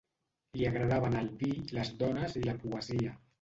Li agradaven el vi, les dones i la poesia.